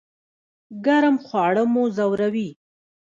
ګرم خواړه مو ځوروي؟